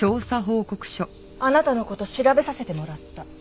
あなたの事調べさせてもらった。